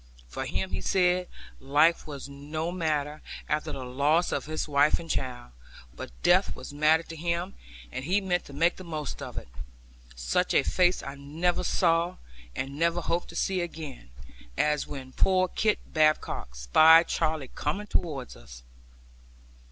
For him, he said, life was no matter, after the loss of his wife and child; but death was matter to him, and he meant to make the most of it. Such a face I never saw, and never hope to see again, as when poor Kit Badcock spied Charley coming towards us.